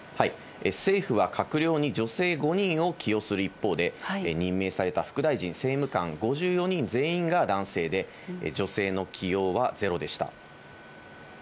政府は閣僚に女性５人を起用する一方で、任命された副大臣、政務官５４人全員が男性で、女性の起用はゼロでした。